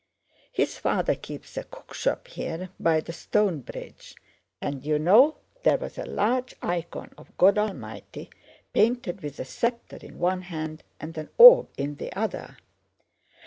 His father keeps a cookshop here by the Stone Bridge, and you know there was a large icon of God Almighty painted with a scepter in one hand and an orb in the other.